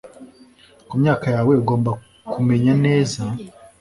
Ku myaka yawe ugomba kumenya neza.